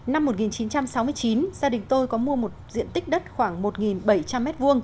năm một nghìn chín trăm sáu mươi chín gia đình tôi có mua một diện tích đất khoảng một bảy trăm linh m hai